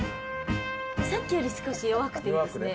さっきより少し弱くていいですね。